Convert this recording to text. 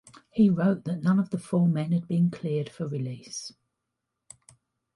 He wrote that none of the four men had been cleared for release.